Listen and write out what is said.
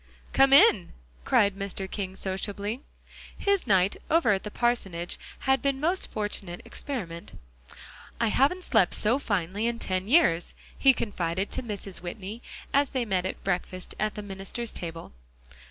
"Come in," cried Mr. King sociably. His night over at the parsonage had been a most fortunate experiment. "I haven't slept so finely in ten years," he confided to Mrs. Whitney as they met at breakfast at the minister's table.